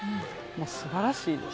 素晴らしいです。